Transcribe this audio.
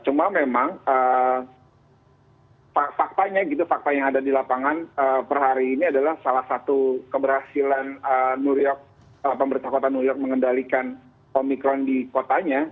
cuma memang fakta yang ada di lapangan per hari ini adalah salah satu keberhasilan pemerintah kota nuriok mengendalikan omicron di kotanya